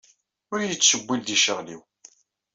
Ur iyi-ttcewwil deg ccɣel-inu.